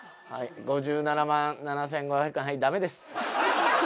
５７万７５００はいダメです。